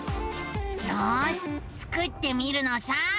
よしスクってみるのさ。